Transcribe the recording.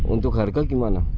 untuk harga gimana